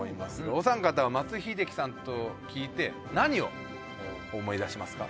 お三方は松井秀喜さんと聞いて何を思い出しますか？